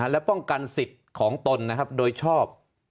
และป้องกันสิทธิ์ของตนโดยชอบ